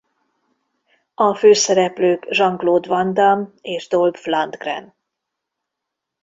A főszereplők Jean-Claude Van Damme és Dolph Lundgren.